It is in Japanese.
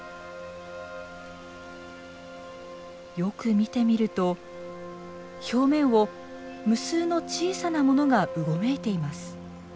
よく見てみると表面を無数の小さなものがうごめいています。